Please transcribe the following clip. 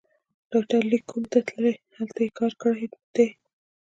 ډاکټر لېک کومو ته تللی، هلته یې کار دی.